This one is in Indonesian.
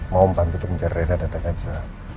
mau membantu untuk mencari ren dan adanya bisa